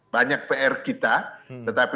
banyak pr kita tetapi